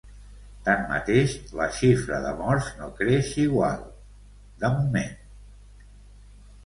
Tanmateix, la xifra de morts no creix igual, de moment.